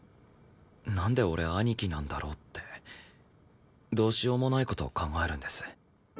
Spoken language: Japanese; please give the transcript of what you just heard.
なんで俺兄貴なんだろうってどうしようもない事を考えるんです。